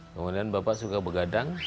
kemudian bapak suka begadang